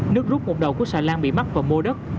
nước rút một đầu của xà lan bị mắc và mô đất